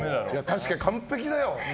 確かに完璧だよ。